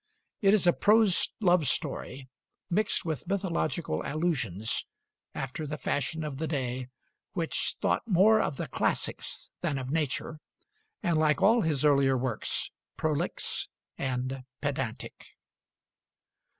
It is a prose love story, mixed with mythological allusions, after the fashion of the day, which thought more of the classics than of nature; and like all his earlier works, prolix and pedantic.